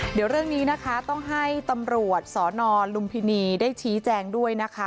เดี๋ยวเรื่องนี้นะคะต้องให้ตำรวจสนลุมพินีได้ชี้แจงด้วยนะคะ